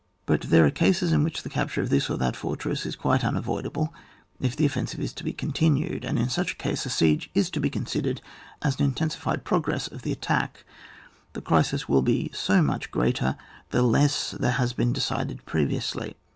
But there are cases in which the capture of this or that fortress is quito unavoid able, if the offensive is to be continued, and in such case a siege is to be con* sidered as an intensified progress of the attack ; the crisis will be so much greater the less there has been decided pre viously.